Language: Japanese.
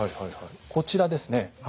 こちらですね。